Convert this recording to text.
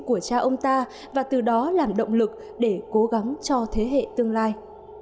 của cha ông ta và từ đó làm động lực để cố gắng cho thế hệ tương lai